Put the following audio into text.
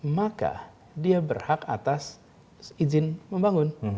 maka dia berhak atas izin membangun